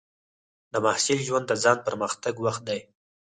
د محصل ژوند د ځان پرمختګ وخت دی.